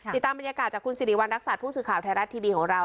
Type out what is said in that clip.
ติดตามบรรยากาศจากคุณสิริวัณรักษัตริย์ผู้สื่อข่าวไทยรัฐทีวีของเรา